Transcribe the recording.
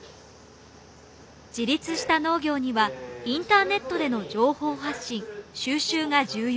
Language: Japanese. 自立した農業にはインターネットでの情報発信収集が重要。